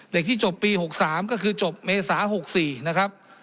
เด็กที่จบปี๖๓ก็คือจบเมษา๖๔นะครับ